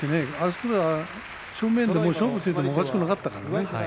あそこは正面で勝負がついてもおかしくなかったからね。